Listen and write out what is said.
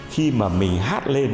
khi mà mình hát lên